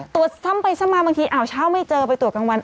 ตรวจซ้ำไปซ้ำมาบางทีอ้าวเช้าไม่เจอไปตรวจกลางวัน